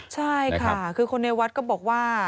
ใช่ค่ะคือคนในวัดก็บอกว่า